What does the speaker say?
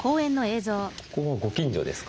ここはご近所ですか？